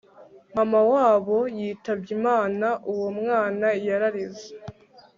mama wabo yitabye imana uwoumwana yararize